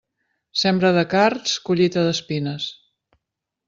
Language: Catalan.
Sembra de cards, collita d'espines.